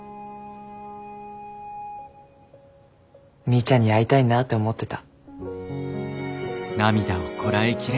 みーちゃんに会いたいなって思ってた。